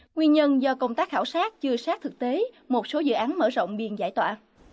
nguyên nhân do công tác khảo sát chưa sát thực tế một số dự án mở rộng biên giải tỏa